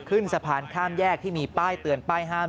ขึ้นสะพานข้ามแยกที่มีป้ายเตือนป้ายห้าม